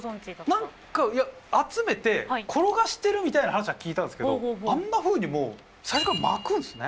何かいや集めて転がしてるみたいな話は聞いたんすけどあんなふうにもう最初から巻くんすね。